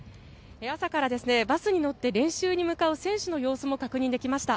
朝からバスに乗って練習に向かう選手の様子も確認できました。